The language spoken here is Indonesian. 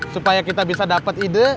supaya kita bisa dapat ide